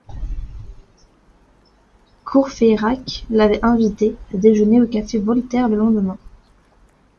Courfeyrac l'avait invité à déjeuner au café Voltaire le lendemain.